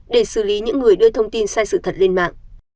để xử lý những người đưa thông tin sai sự thật lên mạng